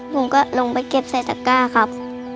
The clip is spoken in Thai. ผมก็ลงไปเก็บใส่ตะก้าครับ